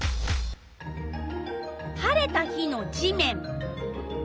晴れた日の地面。